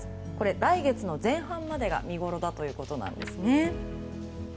来月の前半までが見ごろだということです。